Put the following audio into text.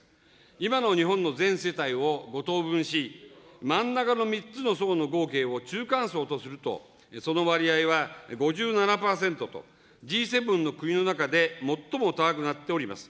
今の日本の全世帯を５等分し、真ん中の３つの層の合計を中間層とすると、その割合は５７％と、Ｇ７の国の中で最も高くなっております。